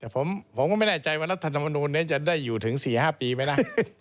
ผมก็ไม่แน่ใจว่ารัฐธรรมนูลนี้จะได้อยู่ถึง๔๕ปีไหมล่ะ